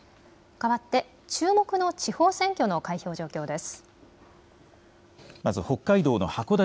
かわって注目の地方選挙の開票状況です。